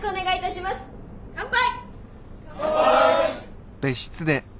・乾杯！